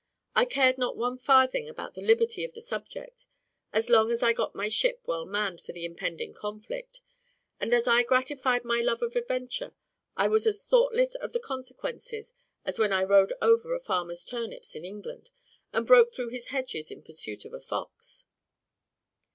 I cared not one farthing about the liberty of the subject, as long as I got my ship well manned for the impending conflict; and as I gratified my love of adventure, I was as thoughtless of the consequences as when I rode over a farmer's turnips in England, or broke through his hedges in pursuit of a fox.